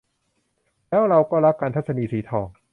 แล้วเราก็รักกัน - ทัศนีย์ สีทอง